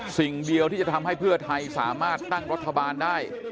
สิ่งเดียวที่จะทำให้เพื่อไทยสามารถตั้งรัฐบาลได้